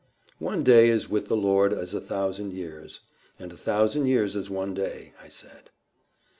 "One day is with the Lord as a thousand years, and a thousand years as one day," I said.